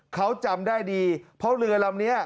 เขาจำได้ดีเพราะเรือลำนี้